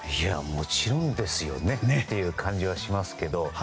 もちろんですよねっていう感じはしますけどね。